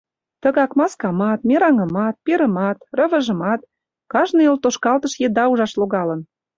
Тыгак маскамат, мераҥымат, пирымат, рывыжымат кажне йолтошкалтыш еда ужаш логалын.